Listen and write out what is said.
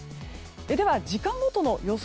では、時間ごとの予想